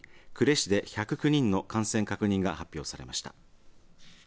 呉市で１０９人の感染確認が発表されました。